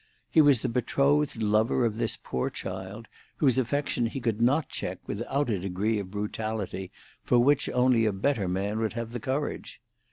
He was the betrothed lover of this poor child, whose affection he could not check without a degree of brutality for which only a better man would have the courage.